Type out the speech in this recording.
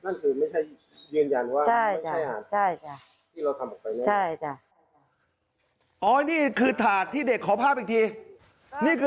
นั่นคือไม่ใช่เดียงยันว่าไม่ใช่อาหาร